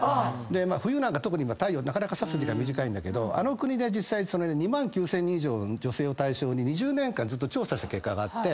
冬なんか特に太陽なかなか差す時間短いんだけどあの国で２万９，０００人以上の女性を対象に２０年間ずっと調査した結果があって。